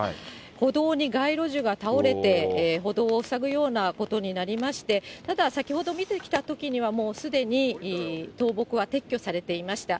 歩道に街路樹が倒れて、歩道を塞ぐようなことになりまして、ただ先ほど見てきたときには、もうすでに、倒木は撤去されていました。